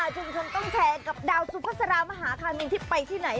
ชุมชนต้องแชร์กับดาวสุภาษารามหาคามินที่ไปที่ไหน